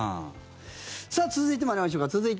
さあ、続いて参りましょうか。